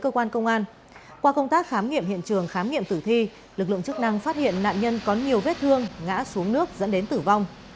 qua công tác khám nghiệm hiện trường khám nghiệm tử thi lực lượng chức năng phát hiện nạn nhân có nhiều vết thương ngã xuống nước dẫn đến tử vong